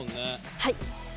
はい。